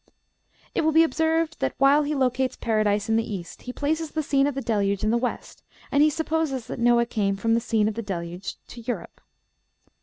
It will be observed that, while he locates Paradise in the east, he places the scene of the Deluge in the west; and he supposes that Noah came from the scene of the Deluge to Europe.